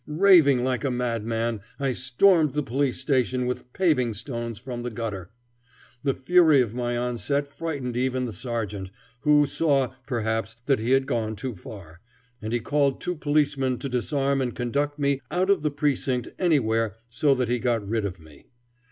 Raving like a madman, I stormed the police station with paving stones from the gutter. The fury of my onset frightened even the sergeant, who saw, perhaps, that he had gone too far, and he called two policemen to disarm and conduct me out of the precinct anywhere so that he got rid of me.